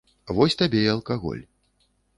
Вось табе і алкаголь.